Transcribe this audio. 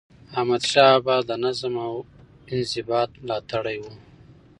احمدشاه بابا د نظم او انضباط ملاتړی و.